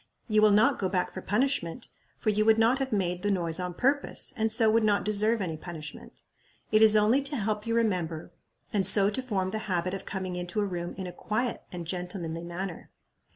You will not go back for punishment, for you would not have made the noise on purpose, and so would not deserve any punishment. It is only to help you remember, and so to form the habit of coming into a room in a quiet and gentlemanly manner."